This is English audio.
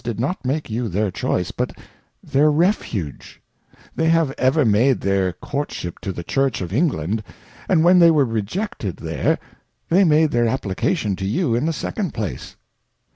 did not make you their Choice, but their Refuge : They have ever ' made their first Courtships to the Church of England, and when they^jwere rejected there, they made their Application to you in the second place.